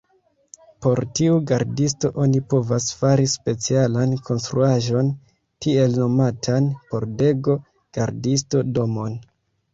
Por tiu gardisto oni povas fari specialan konstruaĵon, tiel nomatan pordego-gardisto-domon.